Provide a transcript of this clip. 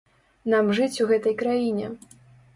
Нам жыць у гэтай краіне!